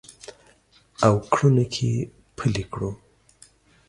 او کړنو کې پلي کړو